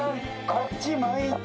こっち向いて。